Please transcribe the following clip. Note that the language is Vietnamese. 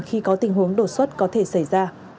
khi có tình huống đột xuất có thể xảy ra